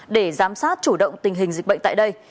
để giám sát chủ động tình hình dịch bệnh tại đây